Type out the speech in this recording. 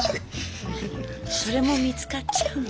それも見つかっちゃうんだ。